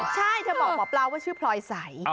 ใช่เธอบอกหมอปลาว่าชื่อพลอยใส